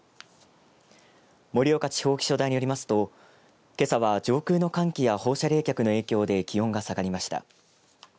盛岡地方気象台によりますとけさは上空の寒気や放射冷却の影響で気温が下がりました。